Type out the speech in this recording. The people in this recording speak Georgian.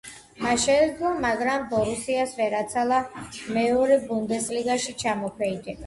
მას შეეძლო, მაგრამ „ბორუსიას“ ვერ ააცილა მეორე ბუნდესლიგაში ჩამოქვეითება.